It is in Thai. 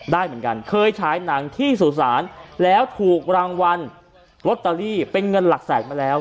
ได้เหมือนกันเคยฉายหนังที่สุสานแล้วถูกรางวัลลอตเตอรี่เป็นเงินหลักแสนมาแล้ว